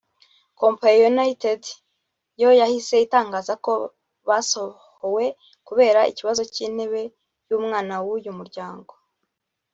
Kompanyi ya United yo yahise itangaza ko basohowe kubera ikibazo cy’intebe y’umwana w’uyu muryango